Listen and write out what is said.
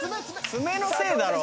爪のせいだろ